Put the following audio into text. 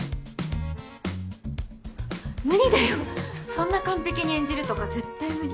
無理だよそんな完璧に演じるとか絶対無理。